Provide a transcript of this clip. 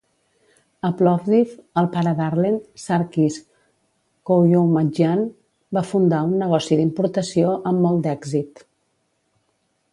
A Plovdiv, el pare d'Arlen, Sarkis Kouyoumdjian, va fundar un negoci d'importació amb molt d'èxit.